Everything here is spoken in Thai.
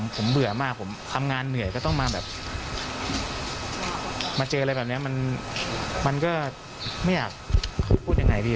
ผมเบื่อมากผมทำงานเหนื่อยก็ต้องมาแบบมาเจออะไรแบบนี้มันก็ไม่อยากพูดยังไงดี